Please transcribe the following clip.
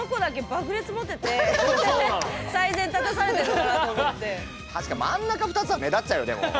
だから何か確かに真ん中２つは目立っちゃうよでも。